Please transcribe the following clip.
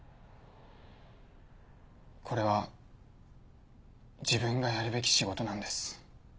これは自分がやるべき仕事なんです。